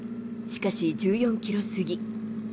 しかし１４キロ過ぎ。